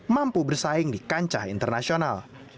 mampu bersaing di kancah internasional